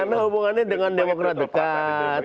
karena hubungannya dengan demokrat dekat